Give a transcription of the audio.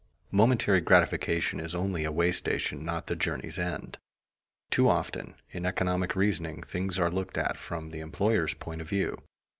Momentary gratification is only a way station, not the journey's end. Too often, in economic reasoning, things are looked at from the employer's point of view.